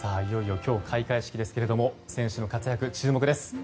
いよいよ今日開会式ですが選手の活躍、注目です。